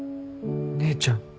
姉ちゃん。